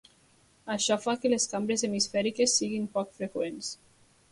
Això fa que les cambres hemisfèriques siguin poc freqüents.